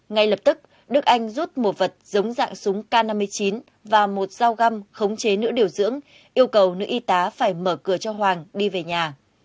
ngay lập tức đức anh rút một vật giống dạng súng k năm mươi chín và một dao găm khống chế nữ điều dưỡng yêu cầu nữ y tá phải mở cửa cho hoàng đi về nhà